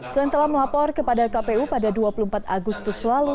selain telah melapor kepada kpu pada dua puluh empat agustus lalu